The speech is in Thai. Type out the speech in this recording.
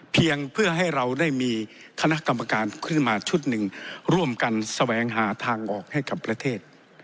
เพียงเพื่อให้เราได้มีคณะกรรมการขึ้นมาชุดหนึ่งร่วมกันแสวงหาทางออกให้กับประเทศ